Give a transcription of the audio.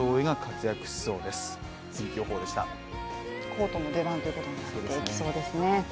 コートの出番ということになっていきそうですね。